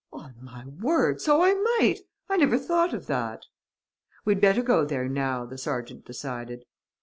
"On my word, so I might! I never thought of that." "We'd better go there now," the sergeant decided.